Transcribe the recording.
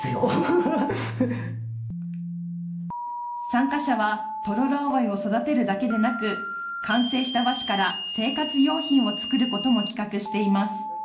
参加者はトロロアオイを育てるだけでなく完成した和紙から生活用品を作ることも企画しています。